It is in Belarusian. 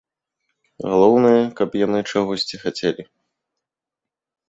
Галоўнае, каб яны чагосьці хацелі.